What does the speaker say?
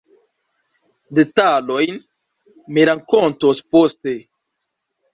Detalojn mi rakontos poste.